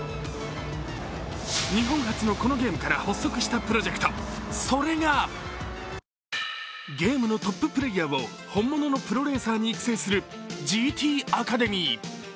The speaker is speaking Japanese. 日本発のこのゲームから発足したプロジェクト、それがゲームのトッププレーヤーを本物のプロレーサーに育成するＧＴアカデミー。